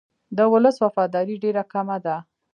د ولس وفاداري ډېره کمه ده.